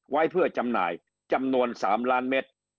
ไว้เพื่อจำหน่ายจำนวน๓ล้านเมตร